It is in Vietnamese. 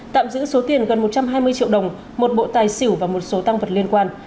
tạm giữ số tiền gần một trăm hai mươi triệu đồng một bộ tài xỉu và một số tăng vật liên quan